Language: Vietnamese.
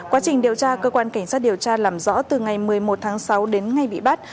quá trình điều tra cơ quan cảnh sát điều tra làm rõ từ ngày một mươi một tháng sáu đến ngày bị bắt